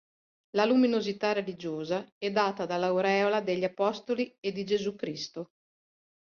La luminosità religiosa è data dall'aureola degli apostoli e di Gesù Cristo.